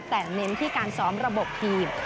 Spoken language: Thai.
แต่เน้นที่การซ้อมระบบทีม